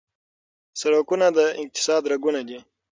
سرکونه د اقتصاد رګونه دي.